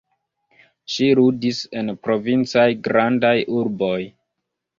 Ŝi ludis en provincaj grandaj urboj.